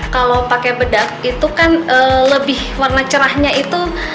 kalau pakai bedak warna cerahnya itu lebih